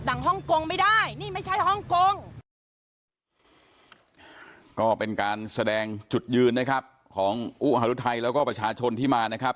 ก็เป็นการแสดงจุดยืนนะครับของอุหารุทัยแล้วก็ประชาชนที่มานะครับ